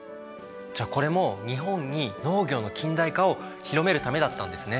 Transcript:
じゃあこれも日本に農業の近代化を広めるためだったんですね。